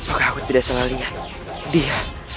dia aku debeanku dengan pesanku sendiri dari kita